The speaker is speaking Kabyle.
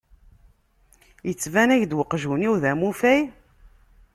Yettbin-ak-d uqjun-iw d amufay?